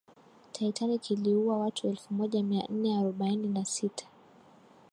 titanic iliua watu elfu moja mia nne arobaini na sita